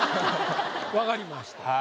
分かりました。